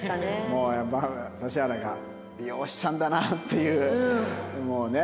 もうやっぱ指原が「美容師さんだな」っていうもうね。